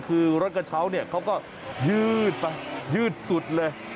คือรถกระเช้าเนี่ยเขาก็ยืดไปยืดสุดเลย